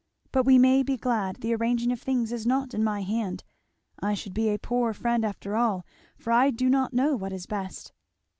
But we may be glad the arranging of things is not in my hand I should be a poor friend after all, for I do not know what is best.